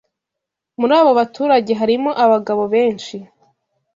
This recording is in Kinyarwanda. Muri abo baturage harimo abagabo benshi.